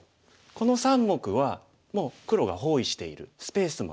この３目はもう黒が包囲しているスペースもなさそう。